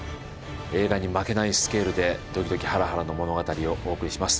映画に負けないスケールでドキドキハラハラの物語をお送りします